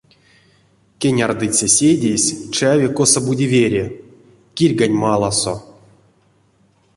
Кенярдыця седеесь чави косо-бути вере, кирьганть маласо.